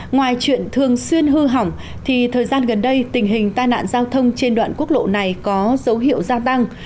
ngoài chuyện thường xuyên hư hỏng thì thời gian gần đây tình hình tai nạn giao thông trên đoạn quốc lộ này có dấu hiệu gia tăng